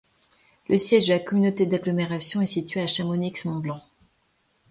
Le siège de la communauté d'agglomération est situé à Chamonix-Mont-Blanc.